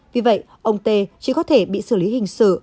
vì vậy ông tê chỉ có thể bị xử lý hình sự